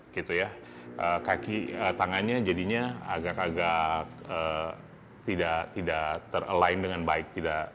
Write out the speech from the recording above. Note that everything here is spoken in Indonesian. gitu ya kaki tangannya jadinya agak agak tidak ter align dengan baik